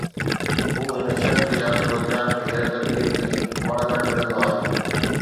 هو هن شخص يا صورتحال کي حيرت انگيز ۽ وڻندڙ ملندو آهي